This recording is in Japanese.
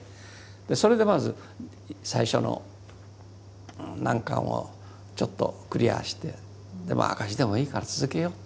それでまず最初の難関をちょっとクリアして赤字でもいいから続けようと。